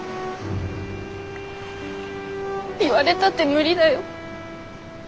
言われたって無理だよ。